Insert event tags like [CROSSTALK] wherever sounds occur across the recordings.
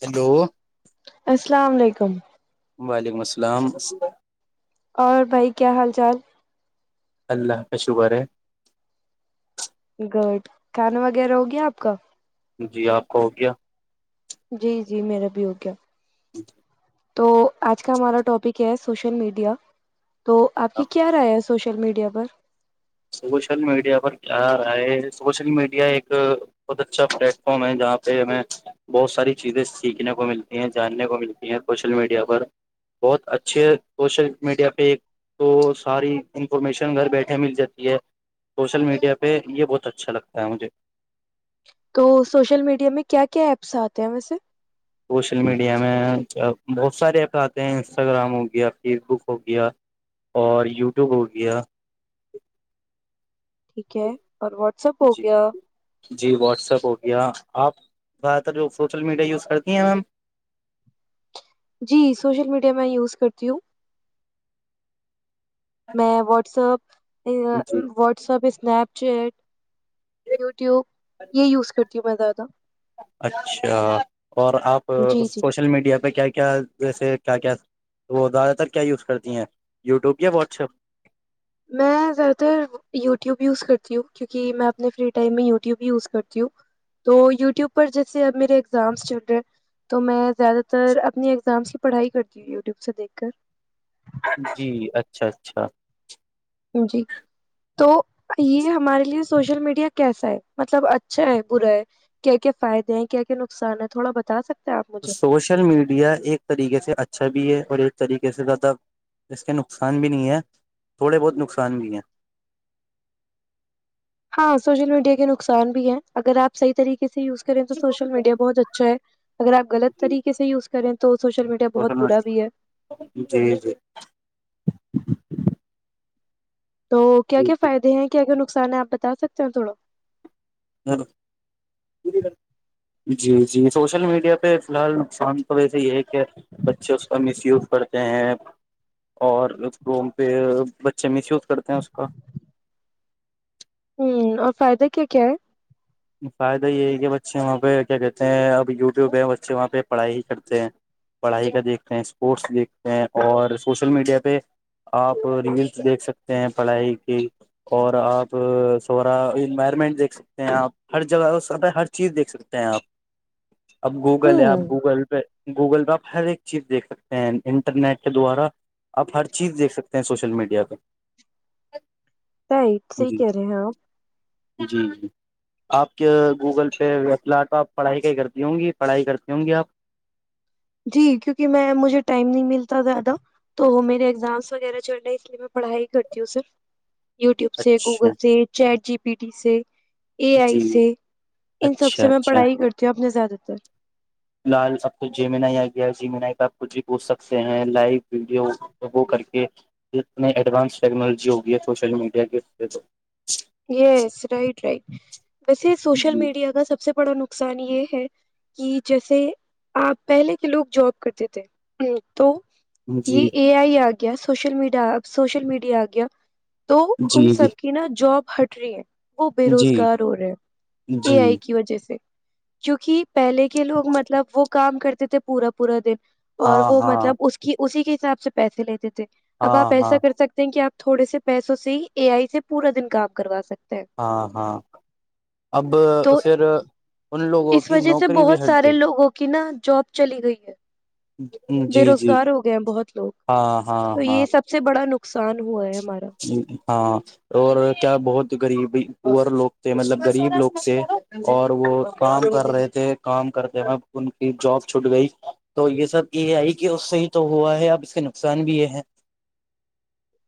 hello السلام علیکم وعلیکم السلام اور بھائی کیا حال چال اللہ کا شکر ہے گڈ کھانا وغیرہ ہو گیا آپ کا جی آپ کا ہو گیا جی جی میرا بھی ہو گیا اٹا [UNINTELLIGIBLE] تو آج کا ہمارا ٹاپک ہے سوشل میڈیا تو آپ کی کیا رائے سوشل میڈیا پر سوشل میڈیا پر کیا رہا ہے سوشل میڈیا ایک بہت اچھا پلیٹ فارم ہے جہاں پہ ہمیں بہت ساری چیزیں سیکھنے کو ملتی ہیں جاننے کو ملتی ہیں سوشل میڈیا پر بہت اچھے سوشل میڈیا پہ ایک تو ساری انفارمیشن گھر بیٹھے مل جاتی یہ سوشل میڈیا پہ یہ بہت اچھا لگتا ہے مجھے تو سوشل میڈیا میں کیا کیا ایپس آتے ہیں ویسے سوشل میڈیا میں بہت سارے ایپس آتے ہیں انسٹاگرام ہو گیا فیس بک ہو گیا اور یوٹیوب ہو گیا ٹھیک ہے اور واٹس ایپ ہو جی گیا جی واٹسپ ہو گیا آپ زدہ تر جو سوشل میڈیا یوز کرتی ہیں میم جی سوشل میڈیا میں یوز کرتی ہوں میں واٹسپ [UNINTELLIGIBLE] ا جی واٹسپ اسنپ چٹ یوٹیوب یہ یوز کرتی کی مزہ آ تھا اچھا اور آپ جی جی سوشل میڈیا پہ کیا کیا ویسے کیا کیا وہ زیادہ تر کیا یوز کرتی ہیں یوٹیوب کیا بہت اچھا میں زیادہ تر یوٹیوب یوز کرتی ہوں کیونکہ میں اپنے فری ٹائم میں یوٹیوب ہی یوز کرتی ہوں تو یوٹیوب پر جیسے اب میرے ایگزامس چل رہے ہیں تو میں زیادہ تر اپنی ایگزامس کی پڑھائی کرتی ہوں یوٹیوب سے دیکھ کر جی اچھا اچھا جی [UNINTELLIGIBLE] تو یہ ہمارے لیے سوشل میڈیا کیسا ہے مطلب اچھا ہے برا ہے کیا کیا فائدے ہیں کیا کیا نقصان ہے تھوڑا بتا سکتے ہیں آپ مجھے سوشل میڈیا ایک طریقے سے اچھا بھی ہے اور ایک طریقے سے کہ تھا اس کے نقصان بھی نہیں ہیں تھوڑے بہت نقصان بھی ہیں ہاں سوشل میڈیا کے نقصان بھی ہے اگر آپ صحی طریقے کسی یوز کریں تو سوشل میڈیا بہت اچھا ہے اگر آ غلط طریقے سے یز کریں تو سوشل میڈیا سول بہت میڈ برا بھی ہے جی جی تو کیا کیا جی فائدے ہیں کیا کیا ن نقصان ہے آپ بتا سکتے ہو تھوڑا ہ جی جی سوشل میڈیا پہ فی الحال نقصان تو ویسے یہ ہے کہ بچے اس کا مس یوز کرتے ہیں اور اس کو پہ بچے مس یوز کرتے ہیں اس کا ہ اور فائدہ کیا کیا ہے فائدہ یہ ہے کہ بچے وہاں پہ کیا کہتے ہیں اب یوٹیوب ہے بچے وہاں پہ پڑھائی کرتے ہیں پڑھائی کا دیکھتے ہیں اسپورٹس دیکھتے ہیں اور سوشل میڈیا پہ آپ ریلس دیکھ سکتے ہیں پڑھائی کی اور آپ سورا انوائرمنٹ دیکھ سکتے ہیں آپ ہر جگہ ہو ستا ہے ہر چیز دیکھ سکتے ہیں آپ اب گوگل ہے آپ ہوں گوگل پہ گوگل پہ آپ ہر ایک چیز دیکھ سکتے ہیں انٹرنیٹ کے دوارا آپ ہر چیز دیکھ سکتے ہیں سوشل میڈیا پہ رائٹ صحی جی کہہ رہے ہیں آپ جی جی آپ کے گوگل پے ویب سلائٹ پہ آپ پڑھائی کا کرتی ہوں گی پڑھائی کرتی ہوں گی آپ جی کیونکہ میں مجھے ٹائم نہیں ملتا زیادہ تو میرے اگزامس وغیرہ چل رہے ہیں اس لیے میں پڑھائی کرتی ہوں سر یوٹیوب سے گوگل اچھا سے چیٹ جی پیٹی سے اے آئی جی سےے ان سب اچھا سے میں اچھا پڑھائی کرتی ہوں اپنے زیادہ [UNINTELLIGIBLE] فی الحال اب تو جیمین آئی آ گیا ہے جیمین آئی پہ آپ کچھ بھی پوچھ سکتے ہیں لائو ویڈیو وہ کر کے اتنے ایڈوانس ٹیکنالوجی ہوگئی ہے سوشل میڈیا کے یس رائٹ رائٹ ویسے سوشل جی میڈیا کا سب سے بڑا نقصان یہ ہے کہ جیسے آپ پہلے کے لوگ جاب کرتے تھے ہ تو یہ جی ا آئی آگ گیا سوشل میڈیا سوشل میڈیا آ گیا تو ان جی سب کی نا جاب ہٹ رہی ہے وہ بے جی جی روزگار ہو رہے ہیں اے آئی جی کی وجہ سے جوونکہ پہلے کے لوگ مطلب وہ کام کرتے تھے پورا پورا دن اور ہاں وہ ہاں مطلب اس کی اسی کی حساب سے پیسے لیتے تھے اب ہاں آپ ہاں ایسا کر سکتے ہیں کہ آپ تھوڑے سے پیسوں سے ہی اے آئی سے پورا دن کام کروا سکتے ہیں ہاں ہاں اب تو پھر ان لوگوں اس کی وجہ سے نوکری بھی بہت ہٹ سارے لوگوں کی نا جاب چلی گئی ہے گئی بے جی جی روزگار ہو گئے ہیں بہت لوگ ہاں ہاں تو ہاں یہ سب سے بڑا نق نقصان ہوا ہے ہمارا ہاں اور کیا بہت غریب پور لوگ تھے مطلب غریب لوگ تھے اور وہ کام کر رہے تھے کام کرتے و ان کی جاب چھوٹ گئی تو یہ سب یہ آئی کہ اس سے ہی تو ہوا ہے اب اس کے نقصان بھی یہ ہے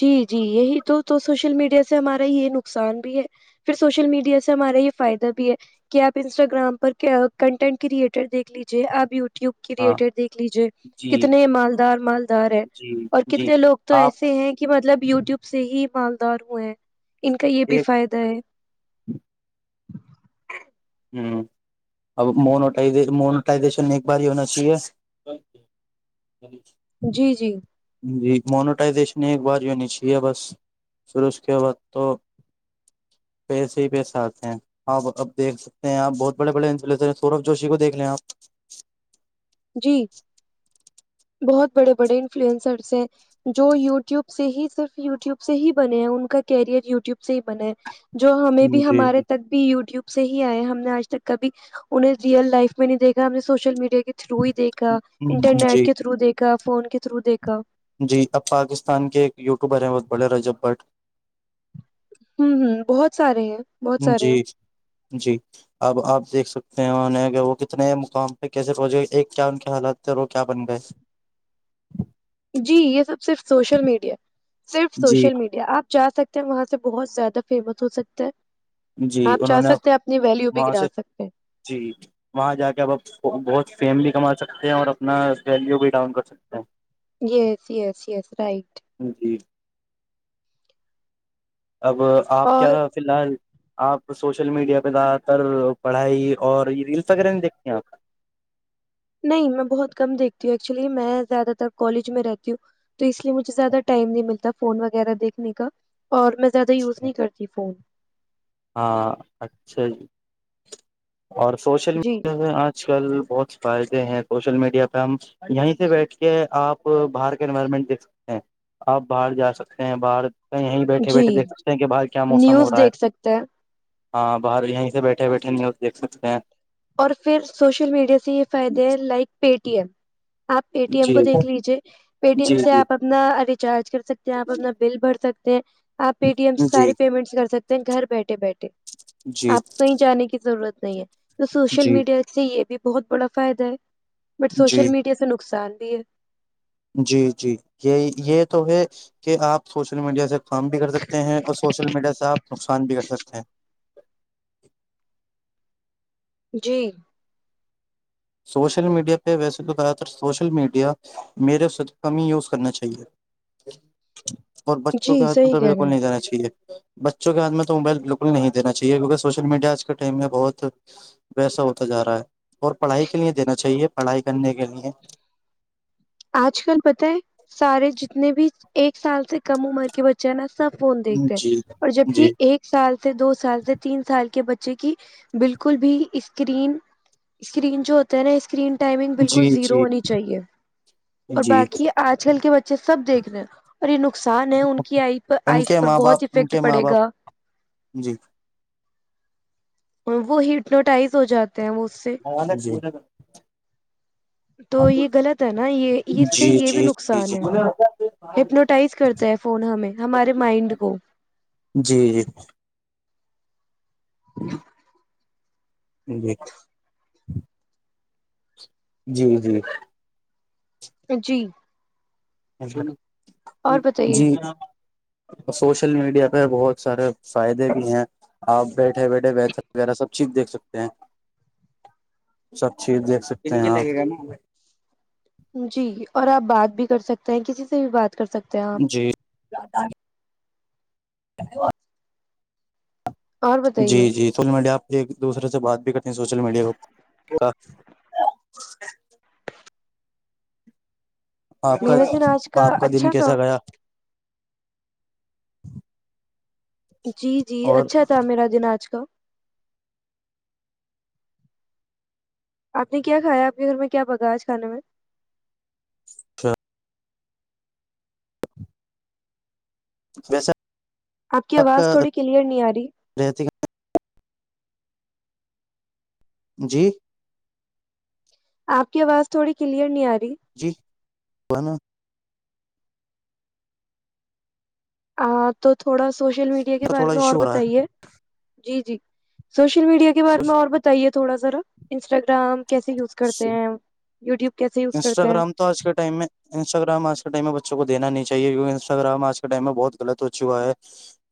جی جی یہی تو تو سوشل میڈیا سے ہمارا یہ نقصان بھی ہے پھر سوشل میڈیا سے ہمارا یہ فائدہ بھی ہے کہ آپ انسٹاگرام پر کنٹینٹ کریئٹر دیکھ لیجیے آپ یو وب کی ہاں ریٹڈ دیکھ لیجیے جی کتنے مالدار مالدار ہے جی اور جی کتنے لوگ تو آپ ایسے ہیں مطلب یوٹیوب سے ہی مالدار ہوئے ان کا یہ بھی ایک فائدہ ہے ہمم اب م موٹائزیشن ایک بار ہی ہونا چاہیے جی جی جی منیوٹائزیشن ایک بار ہو ہونی چاہیے بس پھر اس کے بعد تو پیسے ہی پیسے آتے ہیںاں اب دیکھ سکتے ہیں آپ بہت بڑے بڑے انفلواینسرز سورب جوشی کو دیکھ لیں آپ جی بہت بڑے بڑے انفلوئنسرس ہیں جو یوٹیوب سے ہی صرف یوٹیوب سے ہی بنے ہیں ان کا کیریئر یوٹیوب سے ہی بنے ہے جو ہمیں بھی جی ہمارے تک بھی یوٹیوب سے ہی آئے ہم نے آج تک کبھی انہیں ریئل لائف میں نہیں دیکھا ہم نے سوشل میڈیا کے تھرو ہی دیکھا جی انٹرنیٹ جی کے تھرو دیکھا فون کے تھرو دیکھا جی اب پاکستان کے ایک یوٹیوبر ہیں بہت بڑے رجب بھٹ ہمم ہمم بہت سارے ہیں بہت سارے جی جی اب آپ دیکھ سکتے وہ کتنے مقام پہ کیسے پہنچ گے کیا ان کے حالات تھے وہ کیا بن گئے جی یہ سب صرف سوشل میڈیا صرف جی سوشل میڈیا آپ جا سکتے وہاں سے بہت زیادہ فیمس ہو سکتے ہے جی آپ انہوں چاہ نےاب سکتے ہیں اپنی ویلیو بھی وہاں گرا سے سکتے ہیں جی وہاں جا کے اب اب بہت فیملی کماتے سکتے ہیں اور اپنا ویلیو بھی ڈاؤن کر سکتے ہیں یس یس یس رائٹ ہیں جی اب آپ اور کیا فیلحال آپ سوشل میڈیا پہ زیادہ تر پڑھائی اور یہ ریلس وغیرہ دیکھتے ہیں آپ نہیں میں بہت کم دیکھتی ہوں ایکچولی میں زیادہ تر کالج میں رہتی ہوں تو اس لیے مجھے زیادہ ٹائم نہیں ملتا فون وغیرہ دیکھنے کا اور میں زیادہ یوز نہیں کرتی فون ہاں اچھا جی اور سوشل جی میڈیا میں آج کل بہت فائدے ہیں سوشل میڈیا پہ ہم یہیں سے بیٹھ کے آپ باہر کے انوائرمنٹ دیکھ سکتے ہیں آپ باہر جا سکتے ہیں باہر کہ یہ ہی بیٹھے جی بیٹھے دیکھ سکتے ہیں کہ بھاہر کیا موسم ہو نیوز رہا ہے دیکھ سکتا ہاں باہر یہی سے بیٹھے بیٹھے نیوز دیکھ سکتے ہیں اور پھر سوشل میڈیا سے یہ فائدے ہیں لائک پے ٹی ایم آپ پے ٹی ایم کو جی دیکھ لیجیے پے ٹی جی ایم سے جی آپ اپنا ریچارج کر سکتے ہیں آپ اپنا بل بھر سکتے [UNINTELLIGIBLE] آپ پے ٹی ایم سے جی ساری پیمنٹس کر سکتے ہیں گھر بیٹھے بیٹھے جی آپ کہیں جانے کی ضرورت صی ہے تو سوشل جی میڈیا سے یہ بھی بہت بڑا فائدہ ہے بٹ سوشل جی میڈیا چ نقصان ت جی جی یہ یہ تو ہے کہ آپ سوشل میڈیا سے کام بھی کر سکتے ہیں اور سوشل میڈیا سے آپ نقصان بھی کر سکتے ہیں جی سوشل میڈیا پہ ویسے تو زیادہ تر سوشل میڈیا میرے کم ہی یوز کرنا چاہیئے اور بچوں کے جی ہاتھ م صحیح تو کہہ بالکل رہے ہیں نہیں دینا چاہیے بچوں کے ہاتھ میں تو موبائل بالکل نہیں دینا چاہیے کیونکہ سوشل میڈیا آج کے ٹائم میں بہت ویسا ہوتا جا رہا ہے اور پڑھائی کے لیے دینا چاہیے پڑھائی کرنے کے لیے آج کل پت ہے سارے جتنے بھی ایک سال سے کم عمر کے بچے نا ا فون دیکھ رہ ہیں جی اور جبک جی ایک سال سے دو سال سے تین سال کے بچے کی بالکل بھی اسکرین اسکرین جو ہوتا ہے نا اسکرین ٹائمنگ بالکل جی زیرو جی ہونی چاہیے اور جی باقی آج کل کے بچے اچھا سب دیکھنے اور یہ نقصان ہے ان کی ان آئز کے پر ماں باپ بہت ان افیکٹ کے ماں پڑے باپ گا جی وہ ہٹنوٹائز ہو جاتا [INAUDIBLE] تو یہ غلط ہے نا یہ اس سے جی یہ بھی جی جی نقصان ہے جی ہپنوٹائز کرتا ہے فون ہمیں ہمارے مائنڈ کو جی جی جی جی جی جی ا اور بتائیے جی سوشل میڈیا پہ بہت سارے فائدے بھی ہیں آپ بیٹھے بیٹھے بیھے ویرہ سب چیز دیکھ سکتے ہیں سب چیز دیکھ سکتے ہیں جی اور آپ بات بھی کر سکتے ہیں کسی سے بھی بات کر سکتے ہیں آپ جی دواد اور جی بتائیے جی توڈ آپ سے ایک دوسرے سے بات بھی کرتے سوشل میڈیا کو کا ا آپ کا میرا دن آج آپ کا دن اچھا تھا کیسا گیا [INAUDIBLE] جی جی اور اچھا تھا میرا دن آج کا آپ نے کیا کھایا آپنے گھر میں کیا پگاج کھانے میں اچھ ویسے آپ کی آواز تھوڑی کلیئر نہیں آ رہی رہتی جی آ کی آواز تھوڑی کلیئر نہیں آ رہی جی بنو ا تو تھوڑا سوشل میڈیا کے تھوڑا بارے میں اور ایشو ہو رہا بتائیے جی جی سوشل میڈیا کے بار میں اور بتائیے تھوڑا ذرا انسٹر یوٹیوب کیسے یوز کرتے ہیں انسٹاگررام تو آج کے ٹائم میں انسٹا گرام آج کے ٹائم میں بچوں کو دینا نہیں چاہیے کیہ انسٹاگرام آج کے ٹائم میں بہت غلط ہو چکا ہے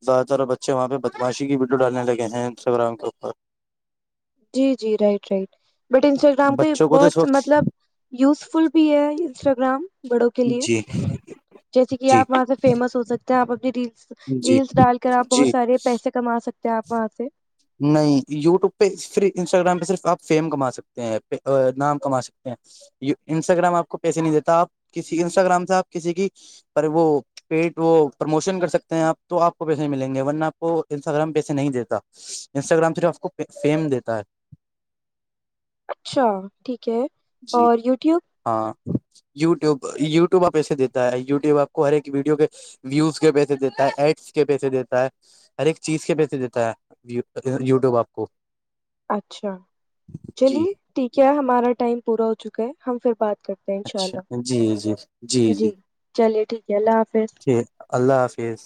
زیادہ تر بچے وہاں پہ بدماشی کی ویڈیو ڈالنے لگے ہیں انسٹاگرام کے اوپر جی جی رائٹ رائٹ بٹ انسٹاگرام کا بچوں کو تو اس بہت وقت مطلب یوز فل بھی ہے انسٹاگرام بڑوں کے لیے جی جیسے کہ جی آپ وہاں سے فیمس ہو سکتے کیا وغیر جی ریلس ڈال کر آپ بہت جی سارے پیسے کما سکتے کیا پاس سے نہیں یوٹیوب پہ پھر انسٹاگرام پہ صرف آپ فیم کما سکتے ہیں نام کما سکتے ہیں انسٹاگرام آپ کو پیسے نہیں دیتا آپ کسی انسٹاگرام سے آپ کسی کی وہ پیٹ وہ پرموشن کر سکتے ہیں آپ تو آپ کو پیسے نہیں ملیں گے ورنہ آپ کو انسٹاگرام پیسے نہیں دیتا انسٹاگرام صرف آپ کو فیم دیتا ہے اچھا ٹھیک ہے جی اور یوٹیوب ہاں یوٹیوب یوٹیوب آ پیسے دیتا ہے یوٹیوب آپ کو ہر ایک ویڈیو کے ویوز کے پیسے دیتا ہے ایڈس کے پیسے دیتا ہے ہر ایک چیز کے پیسے دیتا ہے یوٹیوب آپ کو اچھا جی چلیے ٹھیک ہے ہمارا ٹائم پورا ہو چکا ہے ہم پھر بات کرتے ہیں ان شاء اچھا اللہ جی جی جی جی چلیے ٹھیک ہے اللہ حافظ ٹھیک اللہ حافظ